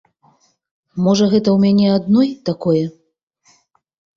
Можа, гэта ў мяне адной такое.